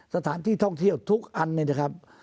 สถานที่ท่องเที่ยวทุกอันเนี่ยนะครับ